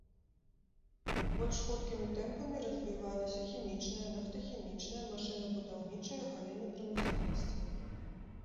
Больш хуткімі тэмпамі развіваліся хімічная, нафтахімічная, машынабудаўнічая галіны прамысловасці.